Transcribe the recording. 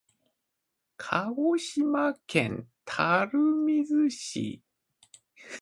鹿児島県垂水市